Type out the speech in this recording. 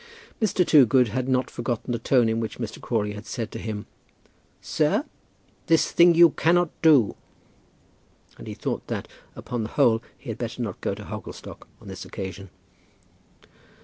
Mr. Toogood had not forgotten the tone in which Mr. Crawley had said to him, "Sir, this thing you cannot do." And he thought that, upon the whole, he had better not go to Hogglestock on this occasion.